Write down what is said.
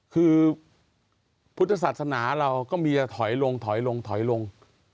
คือพุทธศาสนาเราก็มีจะถอยลงถอยลงถอยลง